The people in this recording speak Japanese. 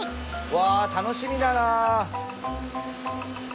うわあ楽しみだな！